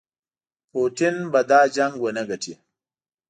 پوټین به دا جنګ ونه ګټي.